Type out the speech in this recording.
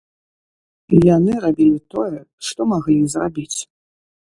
Яны рабілі тое, што маглі зрабіць.